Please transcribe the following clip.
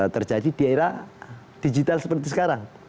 terjadi di era digital seperti sekarang